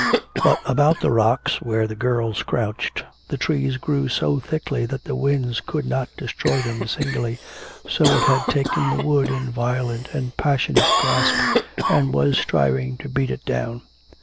But about the rocks, where the girls crouched the trees grew so thickly that the wind could not destroy them singly; so it had taken the wood in violent and passionate grasp, and was striving to beat it down.